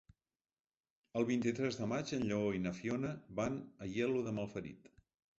El vint-i-tres de maig en Lleó i na Fiona van a Aielo de Malferit.